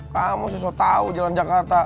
kamu sih so tau jalan jakarta